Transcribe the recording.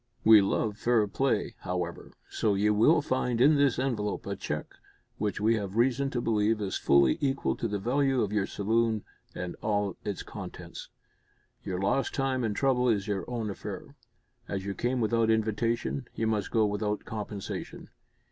We love fair play, however, so you will find in this envelope a cheque which we have reason to believe is fully equal to the value of your saloon and all its contents. Your lost time and trouble is your own affair. As you came without invitation, you must go without compensation.